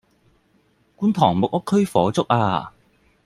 觀塘木屋區火燭呀